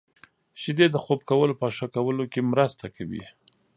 • شیدې د خوب کولو په ښه کولو کې مرسته کوي.